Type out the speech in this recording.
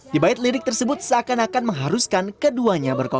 di bait lirik tersebut seakan akan mengharuskan keduanya berkontribu